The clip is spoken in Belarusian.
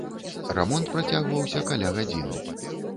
Рамонт працягваўся каля гадзіны.